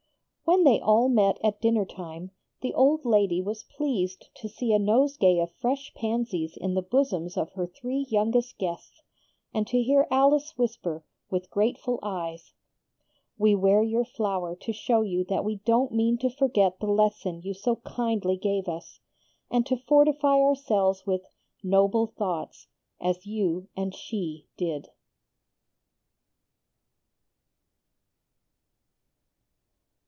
When they all met at dinner time the old lady was pleased to see a nosegay of fresh pansies in the bosoms of her three youngest guests, and to hear Alice whisper, with grateful eyes, "We wear your flower to show you that we don't mean to forget the lesson you so kindly gave us, and to fortify ourselves with 'noble thoughts,' as you and she did."